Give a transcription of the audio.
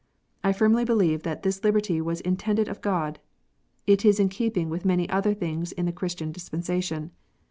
I firmly believe that this liberty was intended of God. It is in keeping with many other things in the Christian dispensation.